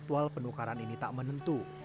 jadwal penukaran ini tak menentu